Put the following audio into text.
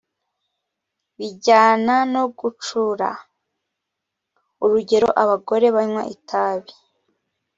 bijyana no gucura; urugero abagore banywa itabi